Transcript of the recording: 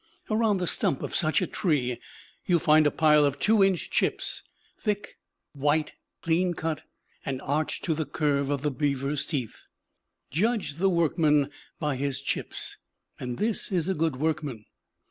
Around the stump of such a tree you find a pile of two inch chips, thick, white, clean cut, and arched to the curve of the beaver's teeth. Judge the workman by his chips, and this is a good workman.